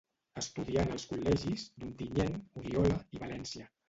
Estudià en els col·legis, d'Ontinyent, Oriola i València.